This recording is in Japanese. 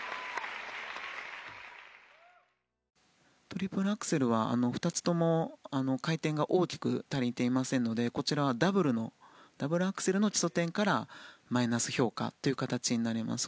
トリプルアクセルは２つとも回転が大きく足りていませんのでこちらはダブルアクセルの基礎点からマイナス評価という形になります。